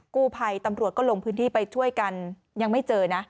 กู้ภัยตำรวจก็ลงพื้นที่ไปช่วยกันยังไม่เจอนะ